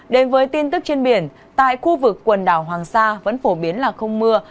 đến với tin tức trên biển tại khu vực quần đảo hoàng sa vẫn phổ biến là không mưa